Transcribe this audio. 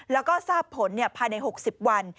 แล้วก็ทราบผลภายใน๖๐วัน